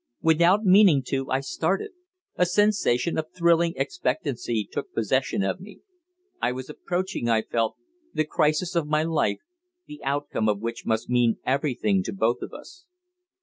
Without meaning to, I started. A sensation of thrilling expectancy took possession of me. I was approaching, I felt, the crisis of my life, the outcome of which must mean everything to both of us.